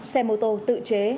xe mô tô tự chế